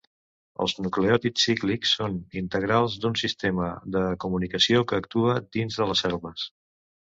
Els nucleòtids cíclics són integrals d'un sistema de comunicació que actua dins de les cèl·lules.